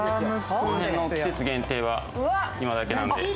この季節限定は今だけなので。